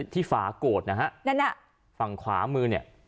ที่ฝากดนะฮะนั่นน่ะฝั่งขวามือเนี่ยอ่ะ